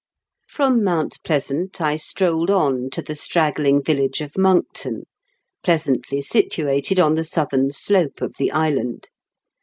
From Mount Pleasant I strolled on to tbe straggling village of Monkton, pleasantly situated on tbe soutbern slope of tbe island.